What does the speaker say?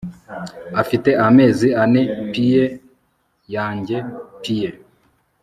Afite amezi ane pie yanjye pie